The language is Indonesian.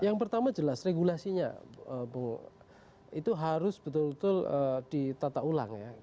yang pertama jelas regulasinya itu harus betul betul ditata ulang ya